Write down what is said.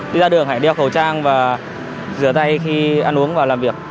đi ra đường hãy đeo khẩu trang và rửa tay khi ăn uống và làm việc